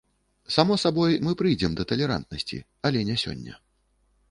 Само сабой, мы прыйдзем да талерантнасці, але не сёння.